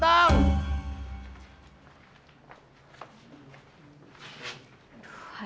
gua tau gua ganteng